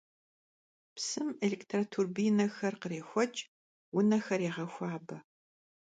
Psım elêktroturbinexer khrêxueç', vunexer yêğexuabe.